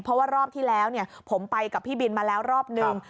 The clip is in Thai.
เพราะว่ารอบที่แล้วผมไปกับพี่บินมาแล้วรอบนึง